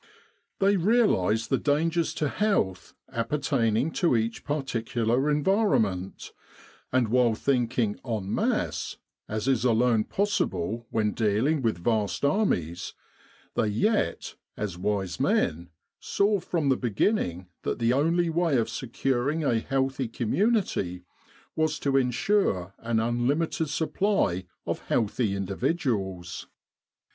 They realised the dangers to health appertaining to each particular en vironment; and while thinking en masse as is alone possible when dealing with vast armies they yet, as wise men, saw from the beginning that the only way of securing a healthy community was to ensure an unlimited supply of healthy individuals.